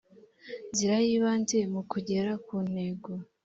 nzira y ibanze mu kugera ku ntego